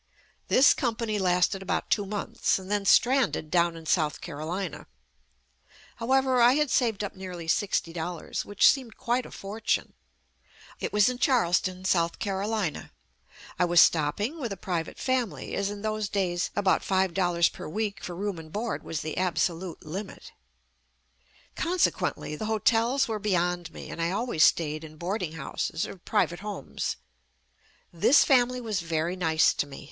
This company lasted about two months, then stranded down in South Carolina. However, I had saved up nearly sixty dollars, which JUST ME seemed quite a fortune. It was in Charleston, South Carolina. I was stopping with a pri vate family, as in those days about five flollars per week for room and board was the abso lute limit. Consequently, the hotels were be yond me and I always stayed in boarding houses or private homes. This family was very nice to me.